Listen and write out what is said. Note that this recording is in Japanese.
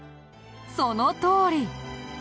そのとおり。